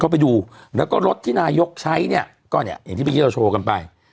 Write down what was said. ไปดูแล้วก็รถที่นายกใช้เนี่ยก็เนี่ยอย่างที่เมื่อกี้เราโชว์กันไป